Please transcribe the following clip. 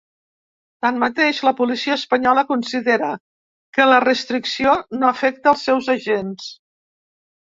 Tanmateix, la policia espanyola considera que la restricció no afecta els seus agents.